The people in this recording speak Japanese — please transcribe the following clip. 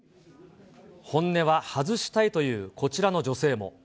本音は外したいというこちら